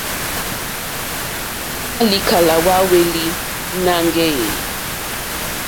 I ma likala hwa hweli nangɛ eeh?